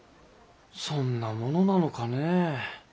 そんなものなのかねえ。